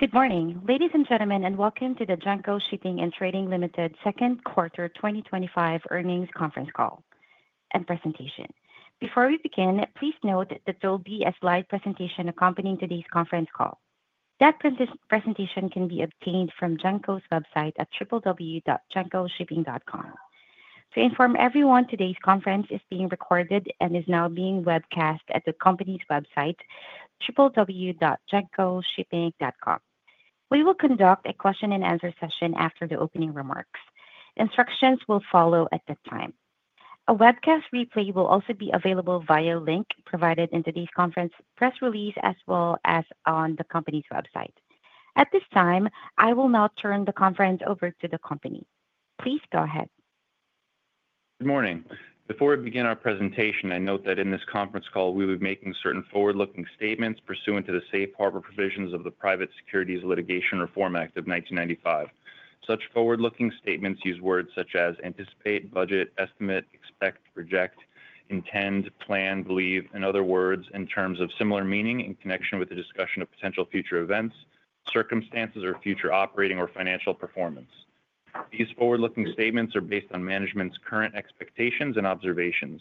Good morning, ladies and gentlemen, and welcome to the Genco Shipping & Trading Limited Second Quarter 2025 Earnings Conference Call and Presentation. Before we begin, please note that there will be a slide presentation accompanying today's conference call. That presentation can be obtained from Genco's website at www.gencoshipping.com. To inform everyone, today's conference is being recorded and is now being webcast at the company's website, www.gencoshipping.com. We will conduct a question and answer session after the opening remarks. Instructions will follow at that time. A webcast replay will also be available via link provided in today's conference press release, as well as on the company's website. At this time, I will now turn the conference over to the company. Please go ahead. Good morning. Before we begin our presentation, I note that in this conference call we will be making certain forward-looking statements pursuant to the safe harbor provisions of the Private Securities Litigation Reform Act of 1995. Such forward-looking statements use words such as anticipate, budget, estimate, expect, project, intend, plan, believe, and other words or terms of similar meaning in connection with the discussion of potential future events, circumstances, or future operating or financial performance. These forward-looking statements are based on management's current expectations and observations.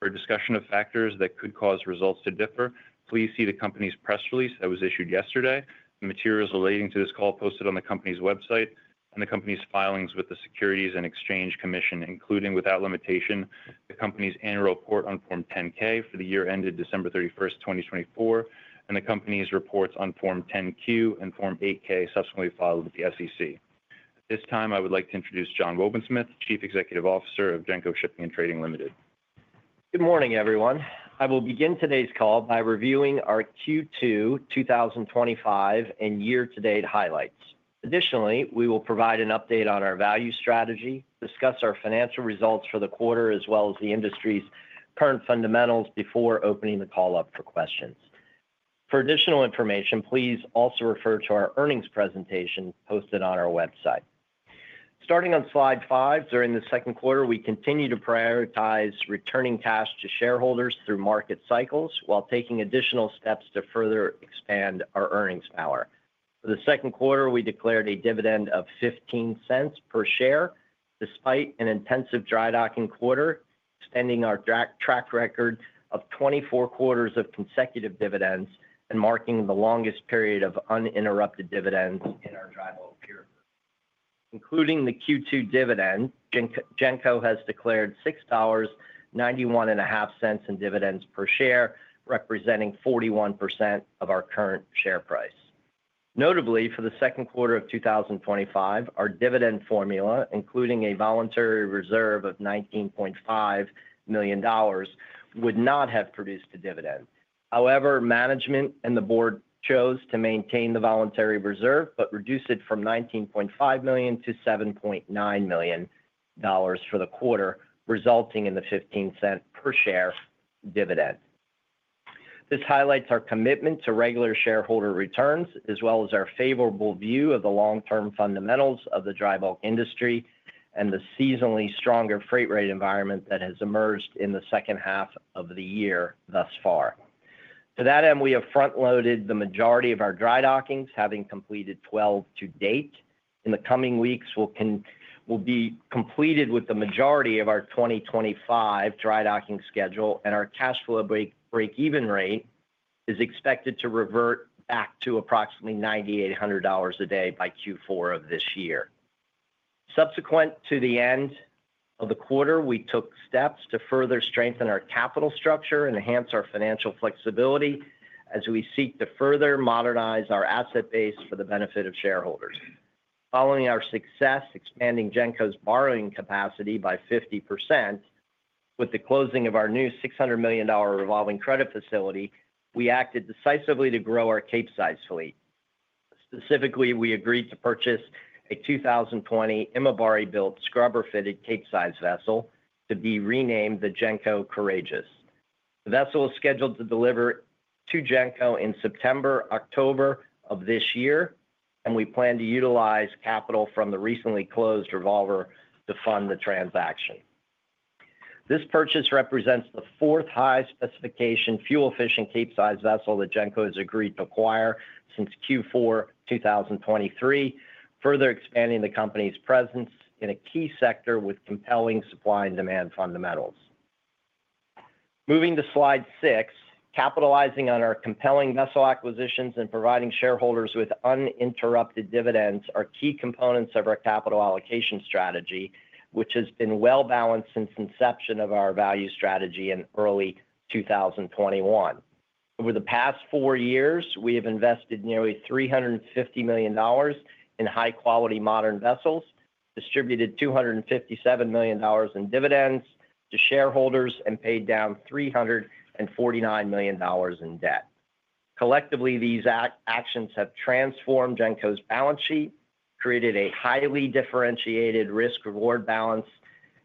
For a discussion of factors that could cause results to differ, please see the company's press release that was issued yesterday, the materials relating to this call posted on the company's website, and the company's filings with the Securities and Exchange Commission, including, without limitation, the company's annual report on Form 10-K for the year ended December 31, 2024, and the company's reports on Form 10-Q and Form 8-K subsequently filed with the SEC. At this time, I would like to introduce John Wobensmith, Chief Executive Officer of Genco Shipping & Trading Limited. Good morning, everyone. I will begin today's call by reviewing our Q2 2025 and year-to-date highlights. Additionally, we will provide an update on our value strategy, discuss our financial results for the quarter, as well as the industry's current fundamentals before opening the call up for questions. For additional information, please also refer to our earnings presentation posted on our website. Starting on slide five, during the second quarter, we continue to prioritize returning cash to shareholders through market cycles while taking additional steps to further expand our earnings power. For the second quarter, we declared a dividend of $0.15 per share despite an intensive dry docking quarter, extending our track record of 24 quarters of consecutive dividends and marking the longest period of uninterrupted dividends in our dry docking period. Including the Q2 dividend, Genco Shipping & Trading Limited has declared $6.915 in dividends per share, representing 41% of our current share price. Notably, for the second quarter of 2025, our dividend formula, including a voluntary reserve of $19.5 million, would not have produced a dividend. However, management and the board chose to maintain the voluntary reserve but reduce it from $19.5 million to $7.9 million for the quarter, resulting in the $0.15 per share dividend. This highlights our commitment to regular shareholder returns, as well as our favorable view of the long-term fundamentals of the dry bulk industry and the seasonally stronger freight rate environment that has emerged in the second half of the year thus far. To that end, we have front-loaded the majority of our dry dockings, having completed 12 to date. In the coming weeks, we'll be completed with the majority of our 2025 dry docking schedule, and our cash flow break-even rate is expected to revert back to approximately $9,800 a day by Q4 of this year. Subsequent to the end of the quarter, we took steps to further strengthen our capital structure and enhance our financial flexibility as we seek to further modernize our asset base for the benefit of shareholders. Following our success expanding Genco Shipping & Trading Limited's borrowing capacity by 50% with the closing of our new $600 million revolving credit facility, we acted decisively to grow our Capesize fleet. Specifically, we agreed to purchase a 2020 Imabari-built scrubber-fitted Capesize vessel to be renamed the Genco Courageous. The vessel is scheduled to deliver to Genco in September, October of this year, and we plan to utilize capital from the recently closed revolver to fund the transaction. This purchase represents the fourth high-specification fuel-efficient Capesize vessel that Genco has agreed to acquire since Q4 2023, further expanding the company's presence in a key sector with compelling supply and demand fundamentals. Moving to slide six, capitalizing on our compelling vessel acquisitions and providing shareholders with uninterrupted dividends are key components of our capital allocation strategy, which has been well-balanced since the inception of our value strategy in early 2021. Over the past four years, we have invested nearly $350 million in high-quality modern vessels, distributed $257 million in dividends to shareholders, and paid down $349 million in debt. Collectively, these actions have transformed Genco's balance sheet, created a highly differentiated risk-reward balance,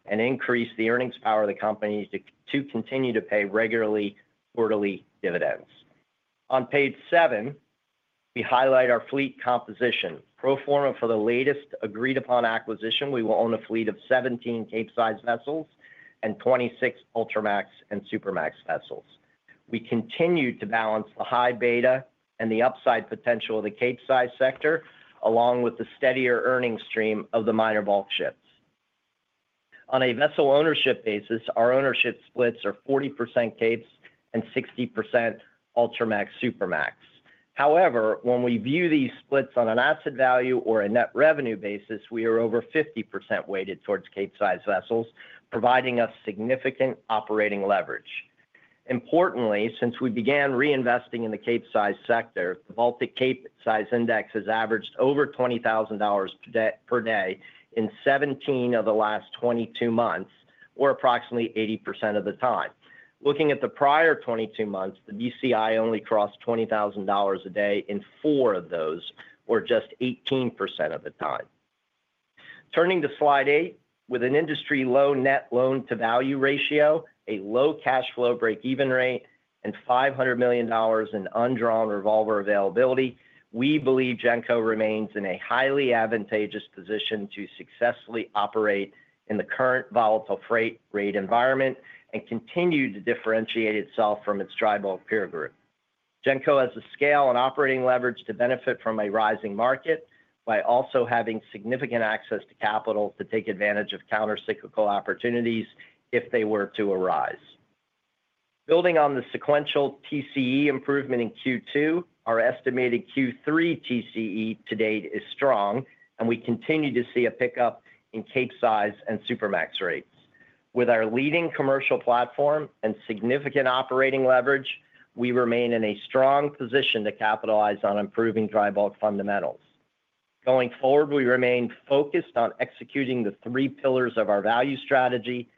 and increased the earnings power of the company to continue to pay regular quarterly dividends. On page seven, we highlight our fleet composition. Pro forma for the latest agreed-upon acquisition, we will own a fleet of 17 Capesize vessels and 26 Ultramax and Supramax vessels. We continue to balance the high beta and the upside potential of the Capesize sector, along with the steadier earnings stream of the minor bulk ships. On a vessel ownership basis, our ownership splits are 40% Capesize and 60% Ultramax/Supramax. However, when we view these splits on an asset value or a net revenue basis, we are over 50% weighted towards Capesize vessels, providing us significant operating leverage. Importantly, since we began reinvesting in the Capesize sector, the Baltic Capesize Index has averaged over $20,000 per day in 17 of the last 22 months, or approximately 80% of the time. Looking at the prior 22 months, the BCI only crossed $20,000 a day in four of those, or just 18% of the time. Turning to slide eight, with an industry low net loan-to-value ratio, a low cash flow break-even rate, and $500 million in undrawn revolver availability, we believe Genco remains in a highly advantageous position to successfully operate in the current volatile freight rate environment and continue to differentiate itself from its dry bulk peer group. Genco has the scale and operating leverage to benefit from a rising market by also having significant access to capital to take advantage of countercyclical opportunities if they were to arise. Building on the sequential TCE improvement in Q2, our estimated Q3 TCE to date is strong, and we continue to see a pickup in Capesize and Supramax rates. With our leading commercial platform and significant operating leverage, we remain in a strong position to capitalize on improving dry bulk fundamentals. Going forward, we remain focused on executing the three pillars of our value strategy: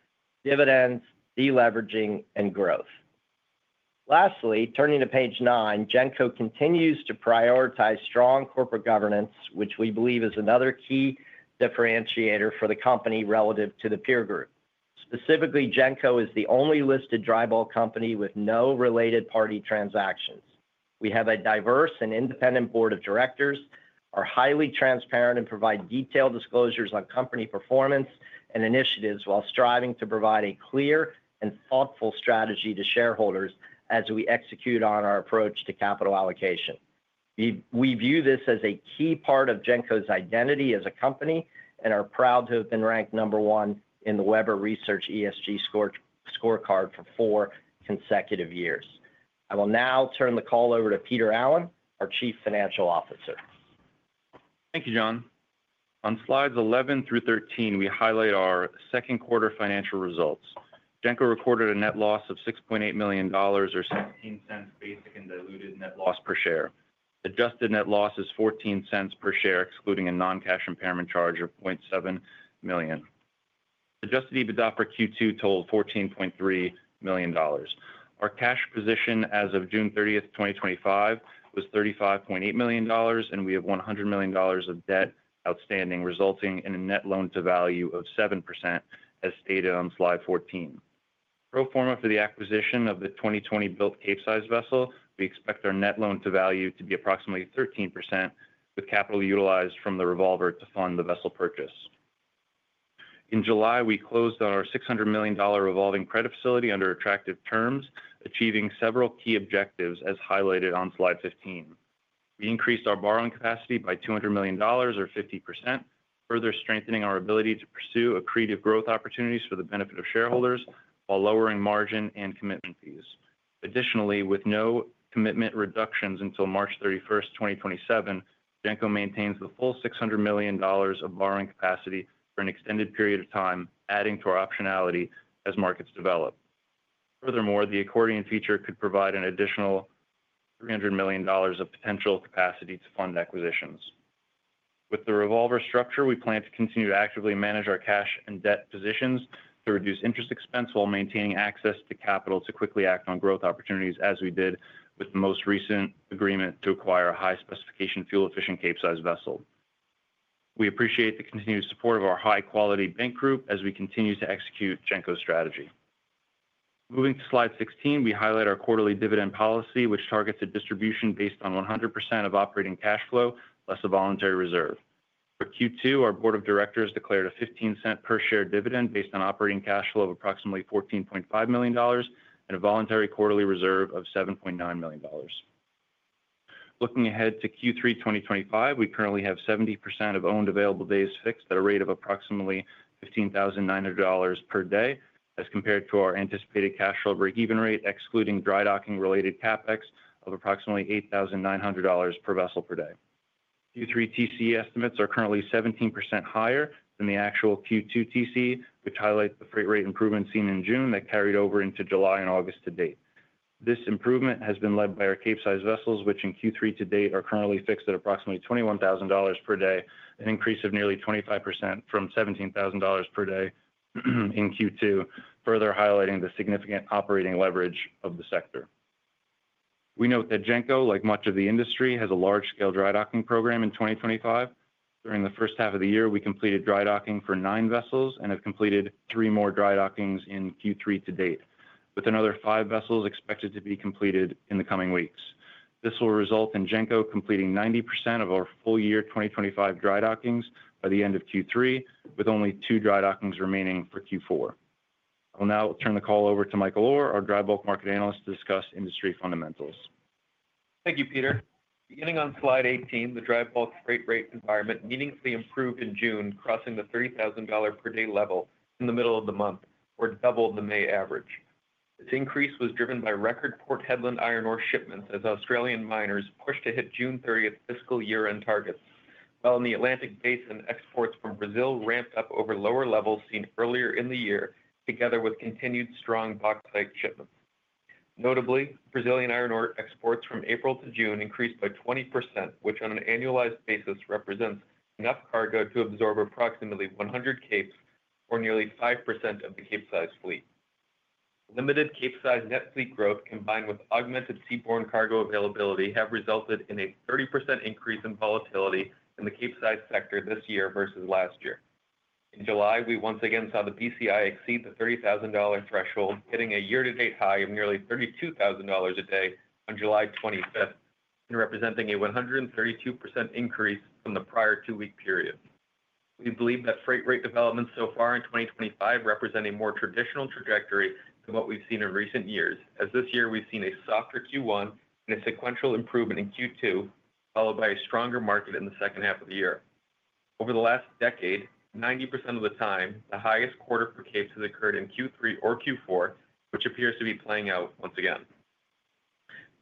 dividends, deleveraging, and growth. Lastly, turning to page nine, Genco continues to prioritize strong corporate governance, which we believe is another key differentiator for the company relative to the peer group. Specifically, Genco is the only listed dry bulk company with no related party transactions. We have a diverse and independent board of directors, are highly transparent, and provide detailed disclosures on company performance and initiatives while striving to provide a clear and thoughtful strategy to shareholders as we execute on our approach to capital allocation. We view this as a key part of Genco's identity as a company and are proud to have been ranked number one in the Weber Research ESG Scorecard for four consecutive years. I will now turn the call over to Peter Allen, our Chief Financial Officer. Thank you, John. On slides 11 through 13, we highlight our second quarter financial results. Genco recorded a net loss of $6.8 million, or $0.16 basic and diluted net loss per share. Adjusted net loss is $0.14 per share, excluding a non-cash impairment charge of $0.7 million. Adjusted EBITDA for Q2 totaled $14.3 million. Our cash position as of June 30, 2025, was $35.8 million, and we have $100 million of debt outstanding, resulting in a net loan-to-value of 7%, as stated on slide 14. Pro forma for the acquisition of the 2020-built Capesize vessel, we expect our net loan-to-value to be approximately 13%, with capital utilized from the revolver to fund the vessel purchase. In July, we closed on our $600 million revolving credit facility under attractive terms, achieving several key objectives as highlighted on slide 15. We increased our borrowing capacity by $200 million, or 50%, further strengthening our ability to pursue accretive growth opportunities for the benefit of shareholders while lowering margin and commitment fees. Additionally, with no commitment reductions until March 31, 2027, Genco maintains the full $600 million of borrowing capacity for an extended period of time, adding to our optionality as markets develop. Furthermore, the accordion feature could provide an additional $300 million of potential capacity to fund acquisitions. With the revolver structure, we plan to continue to actively manage our cash and debt positions to reduce interest expense while maintaining access to capital to quickly act on growth opportunities, as we did with the most recent agreement to acquire a high-specification fuel-efficient Capesize vessel. We appreciate the continued support of our high-quality bank group as we continue to execute Genco's strategy. Moving to slide 16, we highlight our quarterly dividend policy, which targets a distribution based on 100% of operating cash flow, less a voluntary reserve. For Q2, our board of directors declared a $0.15 per share dividend based on operating cash flow of approximately $14.5 million and a voluntary quarterly reserve of $7.9 million. Looking ahead to Q3 2025, we currently have 70% of owned available days fixed at a rate of approximately $15,900 per day, as compared to our anticipated cash flow break-even rate, excluding dry docking related CapEx of approximately $8,900 per vessel per day. Q3 TCE estimates are currently 17% higher than the actual Q2 TCE, which highlights the freight rate improvement seen in June that carried over into July and August to date. This improvement has been led by our Capesize vessels, which in Q3 to date are currently fixed at approximately $21,000 per day, an increase of nearly 25% from $17,000 per day in Q2, further highlighting the significant operating leverage of the sector. We note that Genco, like much of the industry, has a large-scale dry docking program in 2025. During the first half of the year, we completed dry docking for nine vessels and have completed three more dry dockings in Q3 to date, with another five vessels expected to be completed in the coming weeks. This will result in Genco completing 90% of our full-year 2025 dry dockings by the end of Q3, with only two dry dockings remaining for Q4. I will now turn the call over to Michael Orr, our dry bulk market analyst, to discuss industry fundamentals. Thank you, Peter. Beginning on slide 18, the dry bulk freight rate environment meaningfully improved in June, crossing the $30,000 per day level in the middle of the month, or doubled the May average. This increase was driven by record Port Hedland iron ore shipments as Australian miners pushed to hit June 30 fiscal year-end targets, while in the Atlantic Basin, exports from Brazil ramped up over lower levels seen earlier in the year, together with continued strong bauxite shipments. Notably, Brazilian iron ore exports from April to June increased by 20%, which on an annualized basis represents enough cargo to absorb approximately 100 capes or nearly 5% of the Capesize fleet. Limited Capesize net fleet growth, combined with augmented seaborne cargo availability, have resulted in a 30% increase in volatility in the Capesize sector this year versus last year. In July, we once again saw the BCI exceed the $30,000 threshold, hitting a year-to-date high of nearly $32,000 a day on July 25, and representing a 132% increase from the prior two-week period. We believe that freight rate developments so far in 2025 represent a more traditional trajectory than what we've seen in recent years, as this year we've seen a softer Q1 and a sequential improvement in Q2, followed by a stronger market in the second half of the year. Over the last decade, 90% of the time, the highest quarter for capes has occurred in Q3 or Q4, which appears to be playing out once again.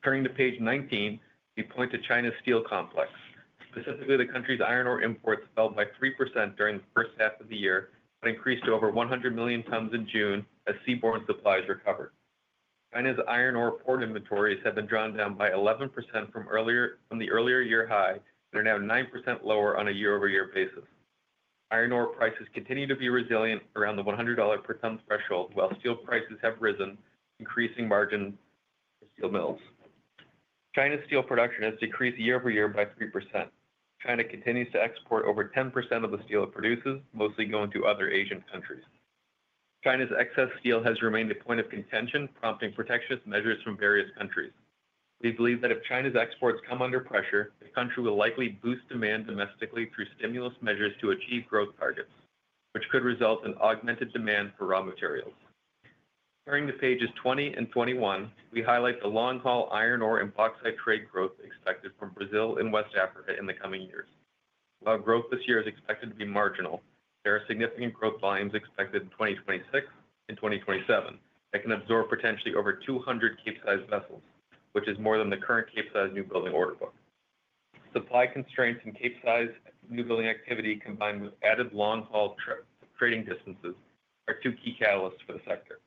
Turning to page 19, we point to China's steel complex. Specifically, the country's iron ore imports fell by 3% during the first half of the year and increased to over 100 million tons in June as seaborne supplies recovered. China's iron ore port inventories have been drawn down by 11% from the earlier year high and are now 9% lower on a year-over-year basis. Iron ore prices continue to be resilient around the $100 per ton threshold, while steel prices have risen, increasing margin for steel mills. China's steel production has decreased year over year by 3%. China continues to export over 10% of the steel it produces, mostly going to other Asian countries. China's excess steel has remained a point of contention, prompting protectionist measures from various countries. We believe that if China's exports come under pressure, the country will likely boost demand domestically through stimulus measures to achieve growth targets, which could result in augmented demand for raw materials. Turning to pages 20 and 21, we highlight the long-haul iron ore and bauxite trade growth expected from Brazil and West Africa in the coming years. While growth this year is expected to be marginal, there are significant growth volumes expected in 2026 and 2027 that can absorb potentially over 200 Capesize vessels, which is more than the current Capesize new building order book. Supply constraints and Capesize new building activity, combined with added long-haul trading distances, are two key catalysts for the sector.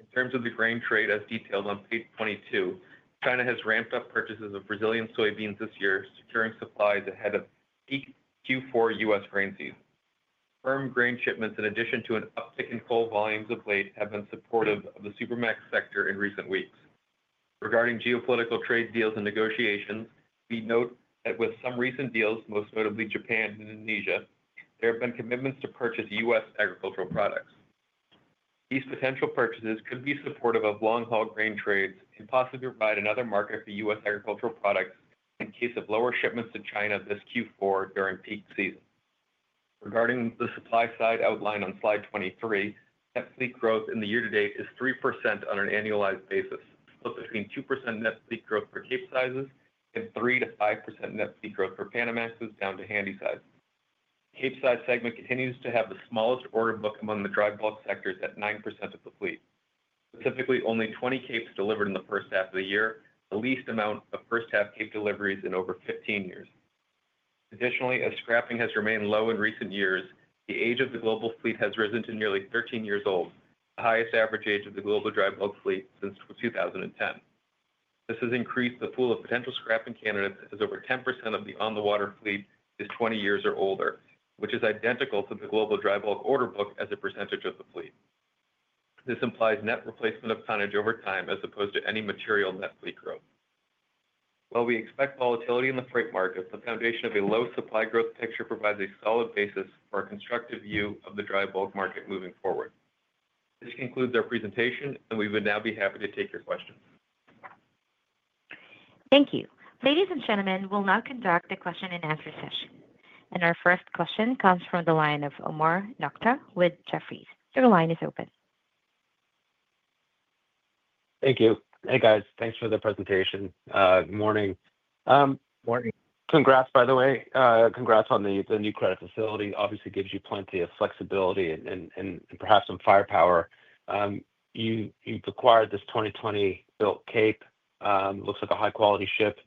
In terms of the grain trade, as detailed on page 22, China has ramped up purchases of Brazilian soybeans this year, securing supplies ahead of peak Q4 U.S. grain season. Firm grain shipments, in addition to an uptick in coal volumes of late, have been supportive of the Supramax sector in recent weeks. Regarding geopolitical trade deals and negotiations, we note that with some recent deals, most notably Japan and Indonesia, there have been commitments to purchase U.S. agricultural products. These potential purchases could be supportive of long-haul grain trades and possibly provide another market for U.S. agricultural products in case of lower shipments to China this Q4 during peak season. Regarding the supply side outlined on slide 23, net fleet growth in the year to date is 3% on an annualized basis, with between 2% net fleet growth for Capesizes and 3%-5% net fleet growth for Panamaxes down to Handysizes. The Capesize segment continues to have the smallest order book among the dry bulk sectors at 9% of the fleet. Specifically, only 20 Capes delivered in the first half of the year, the least amount of first-half Cape deliveries in over 15 years. Additionally, as scrapping has remained low in recent years, the age of the global fleet has risen to nearly 13 years old, the highest average age of the global dry bulk fleet since 2010. This has increased the pool of potential scrapping candidates as over 10% of the on-the-water fleet is 20 years or older, which is identical to the global dry bulk order book as a percentage of the fleet. This implies net replacement of tonnage over time as opposed to any material net fleet growth. While we expect volatility in the freight market, the foundation of a low supply growth picture provides a solid basis for our constructive view of the dry bulk market moving forward. This concludes our presentation, and we would now be happy to take your questions. Thank you. Ladies and gentlemen, we'll now conduct the question and answer session. Our first question comes from the line of Omar Mostafa Nokta with Jefferies. Your line is open. Thank you. Hey, guys. Thanks for the presentation. Good morning. Morning. Congrats, by the way. Congrats on the new credit facility. Obviously, it gives you plenty of flexibility and perhaps some firepower. You've acquired this 2020-built Cape. It looks like a high-quality ship.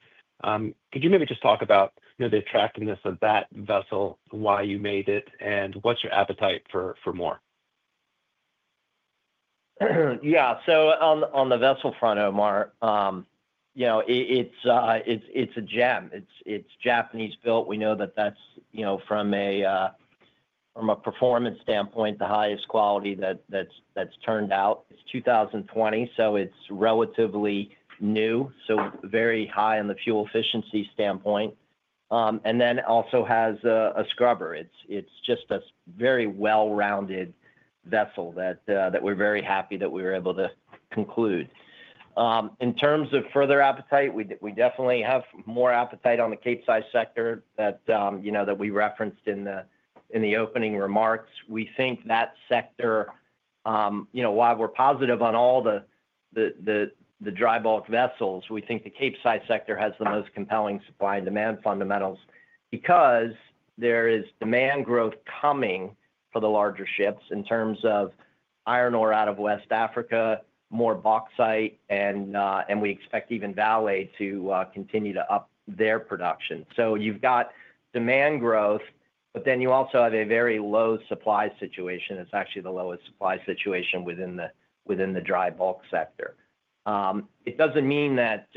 Could you maybe just talk about the attractiveness of that vessel, why you made it, and what's your appetite for more? Yeah, so on the vessel front, Omar, you know it's a gem. It's Japanese-built. We know that that's, from a performance standpoint, the highest quality that's turned out. It's 2020, so it's relatively new, so very high on the fuel efficiency standpoint. It also has a scrubber. It's just a very well-rounded vessel that we're very happy that we were able to conclude. In terms of further appetite, we definitely have more appetite on the Capesize sector that we referenced in the opening remarks. We think that sector, while we're positive on all the dry bulk vessels, has the most compelling supply and demand fundamentals because there is demand growth coming for the larger ships in terms of iron ore out of West Africa, more bauxite, and we expect even Vale to continue to up their production. You've got demand growth, but then you also have a very low supply situation. It's actually the lowest supply situation within the dry bulk sector. It doesn't mean that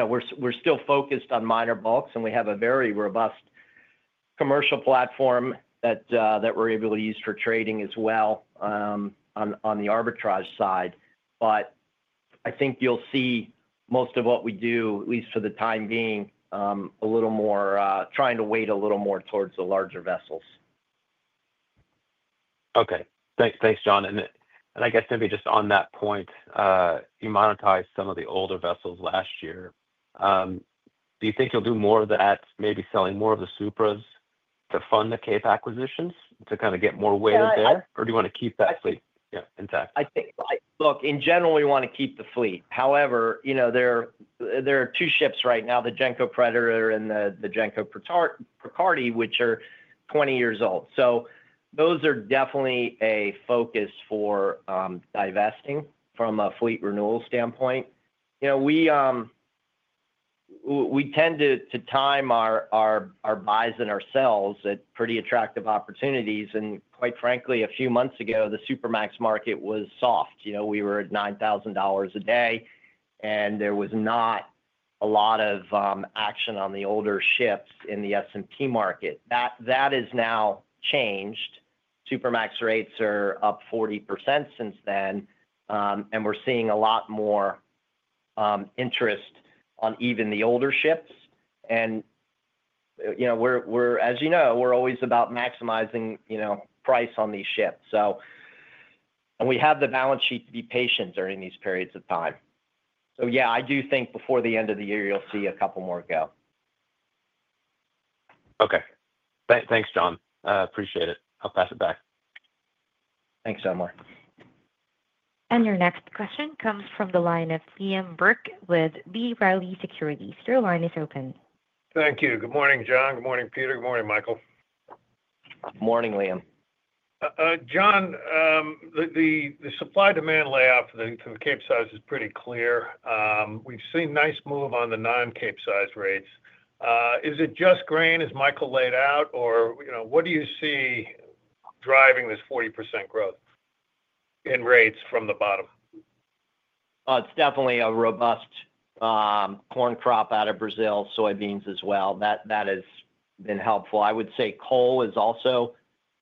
we're still focused on minor bulks, and we have a very robust commercial platform that we're able to use for trading as well on the arbitrage side. I think you'll see most of what we do, at least for the time being, trying to weight a little more towards the larger vessels. Okay. Thanks, John. I guess maybe just on that point, you monetized some of the older vessels last year. Do you think you'll do more of that, maybe selling more of the Supramaxes to fund the Capesize acquisitions to kind of get more weight in there? Do you want to keep that fleet intact? I think, look, in general, we want to keep the fleet. However, you know, there are two ships right now, the Genco Predator and the Genco Prakardi, which are 20 years old. Those are definitely a focus for divesting from a fleet renewal standpoint. We tend to time our buys and our sales at pretty attractive opportunities. Quite frankly, a few months ago, the Supramax market was soft. We were at $9,000 a day, and there was not a lot of action on the older ships in the S&P market. That has now changed. Supramax rates are up 40% since then, and we're seeing a lot more interest on even the older ships. As you know, we're always about maximizing price on these ships, and we have the balance sheet to be patient during these periods of time. I do think before the end of the year, you'll see a couple more go. Okay. Thanks, John. Appreciate it. I'll pass it back. Thanks, Omar. Your next question comes from the line of Liam Dalton Burke with B. Riley Securities. Your line is open. Thank you. Good morning, John. Good morning, Peter. Good morning, Michael. Morning, Liam. John, the supply-demand layout for the Capesize is pretty clear. We've seen a nice move on the non-Capesize rates. Is it just grain, as Michael laid out, or what do you see driving this 40% growth in rates from the bottom? It's definitely a robust corn crop out of Brazil, soybeans as well. That has been helpful. I would say coal is also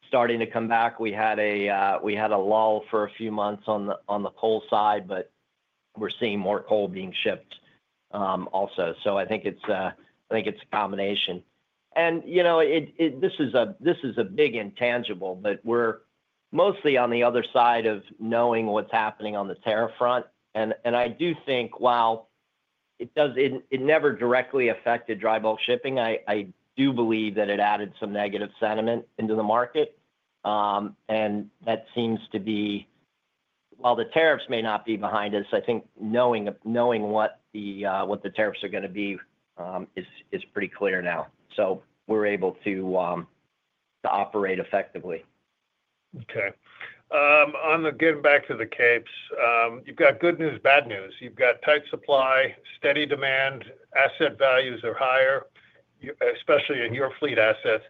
starting to come back. We had a lull for a few months on the coal side, but we're seeing more coal being shipped also. I think it's a combination. You know, this is a big intangible, but we're mostly on the other side of knowing what's happening on the tariff front. I do think while it never directly affected dry bulk shipping, I do believe that it added some negative sentiment into the market. That seems to be, while the tariffs may not be behind us, I think knowing what the tariffs are going to be is pretty clear now. We're able to operate effectively. Okay. On the getting back to the Capes, you've got good news, bad news. You've got tight supply, steady demand, asset values are higher, especially in your fleet assets.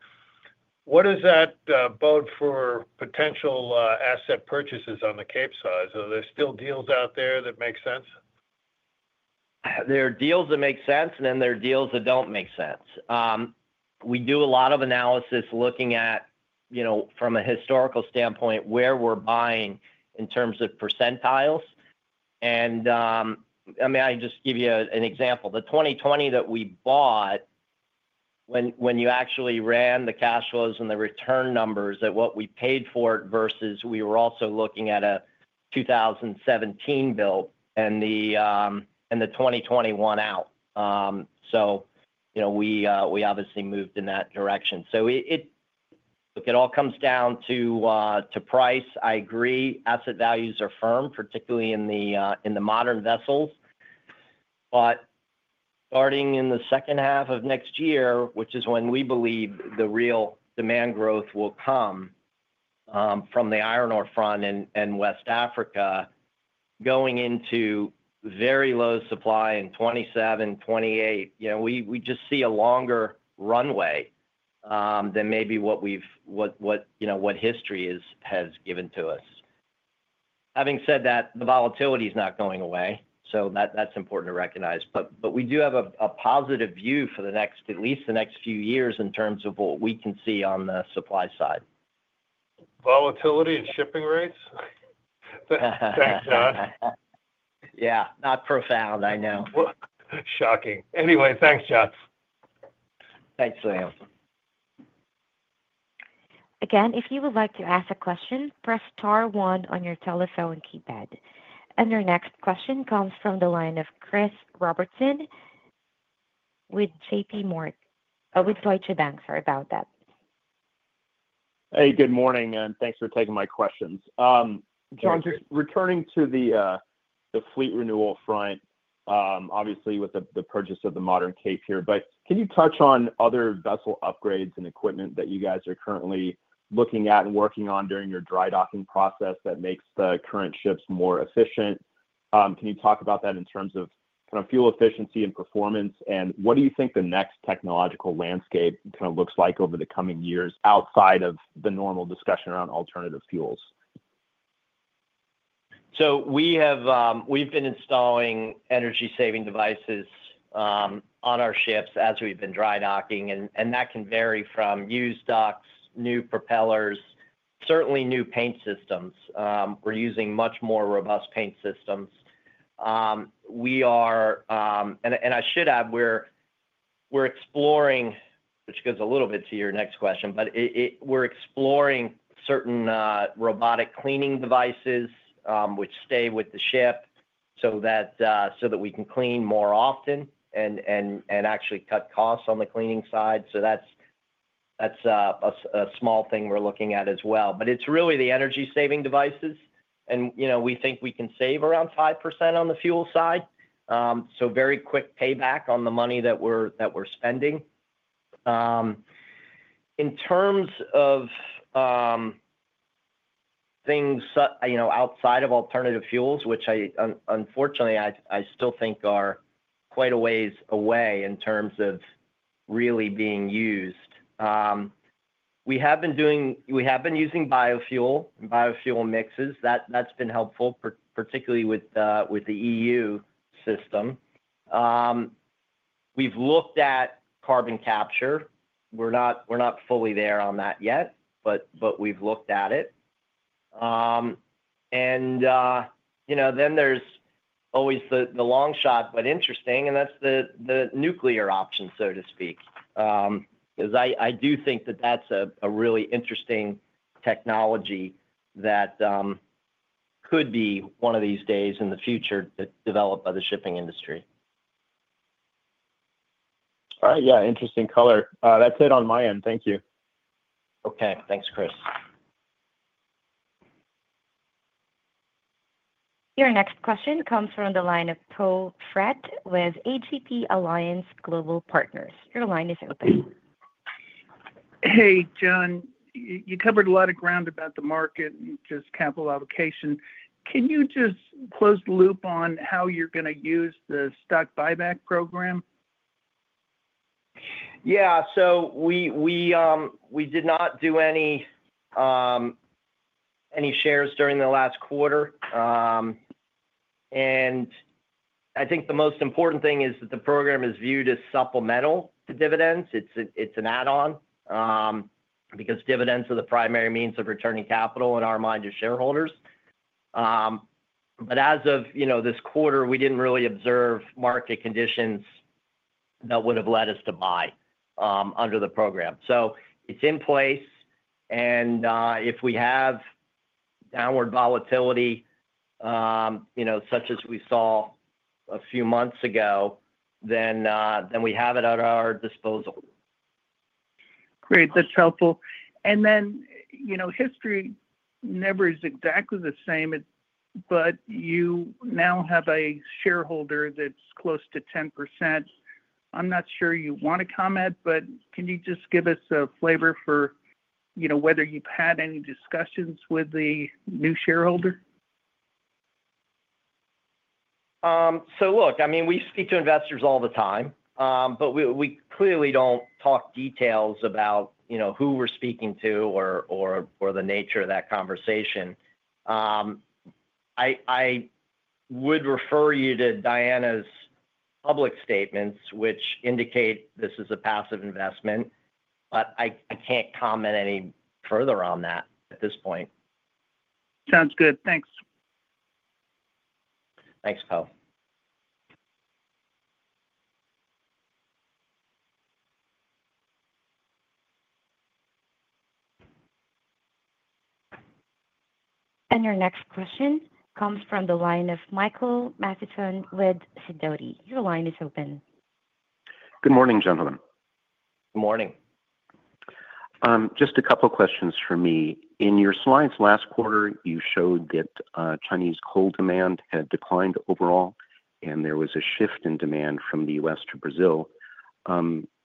What does that bode for potential asset purchases on the Capesize? Are there still deals out there that make sense? There are deals that make sense, and then there are deals that don't make sense. We do a lot of analysis looking at, you know, from a historical standpoint, where we're buying in terms of percentiles. I can just give you an example. The 2020 that we bought, when you actually ran the cash flows and the return numbers at what we paid for it versus we were also looking at a 2017 build and the 2020 went out. We obviously moved in that direction. It all comes down to price. I agree, asset values are firm, particularly in the modern vessels. Starting in the second half of next year, which is when we believe the real demand growth will come from the iron ore front in West Africa, going into very low supply in 2027, 2028, we just see a longer runway than maybe what we've, what, you know, what history has given to us. Having said that, the volatility is not going away. That's important to recognize. We do have a positive view for at least the next few years in terms of what we can see on the supply side. Volatility and shipping rates? Thanks, John. Yeah, not profound, I know. Shocking. Anyway, thanks, John. Thanks, Liam. If you would like to ask a question, press star one on your telephone keypad. Your next question comes from the line of Christopher Warren Robertson with Deutsche Bank AG. Sorry about that. Hey, good morning, and thanks for taking my questions. John, just returning to the fleet renewal front, obviously with the purchase of the modern cape here, can you touch on other vessel upgrades and equipment that you guys are currently looking at and working on during your dry docking process that makes the current ships more efficient? Can you talk about that in terms of kind of fuel efficiency and performance? What do you think the next technological landscape kind of looks like over the coming years outside of the normal discussion around alternative fuels? We have been installing energy-saving devices on our ships as we've been dry docking, and that can vary from used docks, new propellers, certainly new paint systems. We're using much more robust paint systems. We are, and I should add, we're exploring, which goes a little bit to your next question, but we're exploring certain robotic cleaning devices which stay with the ship so that we can clean more often and actually cut costs on the cleaning side. That's a small thing we're looking at as well. It's really the energy-saving devices. We think we can save around 5% on the fuel side, so very quick payback on the money that we're spending. In terms of things outside of alternative fuels, which I, unfortunately, still think are quite a ways away in terms of really being used, we have been using biofuel and biofuel mixes. That's been helpful, particularly with the EU system. We've looked at carbon capture. We're not fully there on that yet, but we've looked at it. There's always the long shot, but interesting, and that's the nuclear option, so to speak, because I do think that that's a really interesting technology that could be one of these days in the future developed by the shipping industry. All right, interesting color. That's it on my end. Thank you. Okay, thanks, Chris. Your next question comes from the line of Paul Pratt with Alliance Global Partners. Your line is open. Hey, John, you covered a lot of ground about the market and just capital allocation. Can you just close the loop on how you're going to use the stock buyback program? We did not do any shares during the last quarter. I think the most important thing is that the program is viewed as supplemental to dividends. It's an add-on because dividends are the primary means of returning capital in our mind to shareholders. As of this quarter, we didn't really observe market conditions that would have led us to buy under the program. It's in place, and if we have downward volatility, such as we saw a few months ago, then we have it at our disposal. Great, that's helpful. You know, history never is exactly the same, but you now have a shareholder that's close to 10%. I'm not sure you want to comment, but can you just give us a flavor for whether you've had any discussions with the new shareholder? I mean, we speak to investors all the time, but we clearly don't talk details about, you know, who we're speaking to or the nature of that conversation. I would refer you to Diana's public statements, which indicate this is a passive investment, but I can't comment any further on that at this point. Sounds good. Thanks. Thanks, Paul. Your next question comes from the line of Michael Jay Mathison with Sidoti & Company. Your line is open. Good morning, gentlemen. Good morning. Just a couple of questions from me. In your slides last quarter, you showed that Chinese coal demand had declined overall, and there was a shift in demand from the U.S. to Brazil.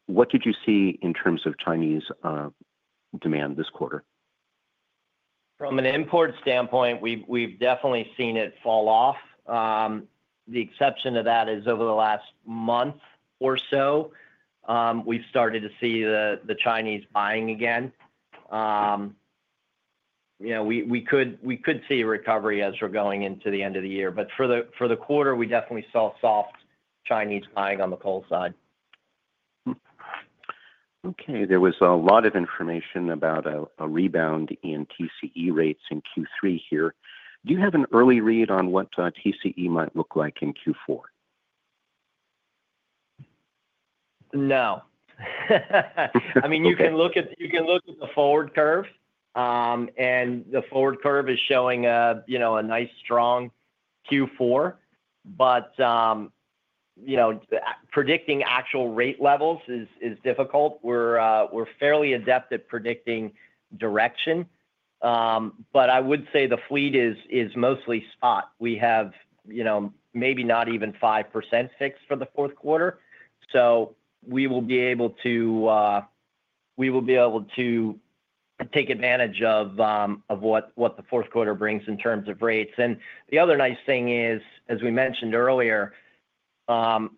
What did you see in terms of Chinese demand this quarter? From an import standpoint, we've definitely seen it fall off. The exception to that is over the last month or so, we've started to see the Chinese buying again. We could see recovery as we're going into the end of the year, but for the quarter, we definitely saw soft Chinese buying on the coal side. Okay, there was a lot of information about a rebound in TCE rates in Q3 here. Do you have an early read on what TCE might look like in Q4? No. I mean, you can look at the forward curve, and the forward curve is showing a nice strong Q4, but you know, predicting actual rate levels is difficult. We're fairly adept at predicting direction, but I would say the fleet is mostly spot. We have, you know, maybe not even 5% fixed for the fourth quarter. We will be able to take advantage of what the fourth quarter brings in terms of rates. The other nice thing is, as we mentioned earlier,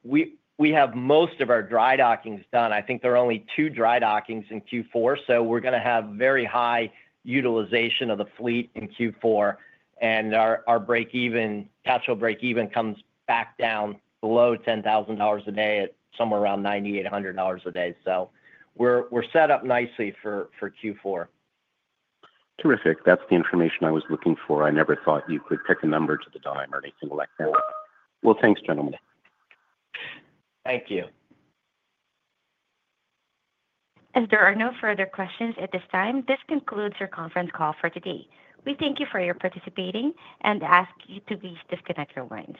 we have most of our dry dockings done. I think there are only two dry dockings in Q4, so we're going to have very high utilization of the fleet in Q4, and our break-even, cash flow break-even comes back down below $10,000 a day at somewhere around $9,800 a day. We're set up nicely for Q4. Terrific. That's the information I was looking for. I never thought you could pick a number to the dime or anything like that. Thanks, gentlemen. Thank you. There are no further questions at this time. This concludes your conference call for today. We thank you for your participation and ask you to please disconnect your lines.